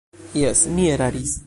Jes, mi eraris.